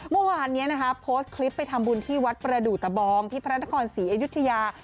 เมื่อวานนี้นะคะโพสต์คลิปไปทำบุญที่วัดประดูกตะบองที่พระนครศรีอยุธยา